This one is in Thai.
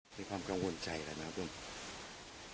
มีความกังวลใจแล้วนะครับลุงพล